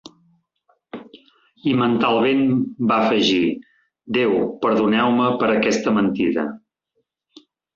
I mentalment va afegir: "Déu, perdoneu-me per aquesta mentida".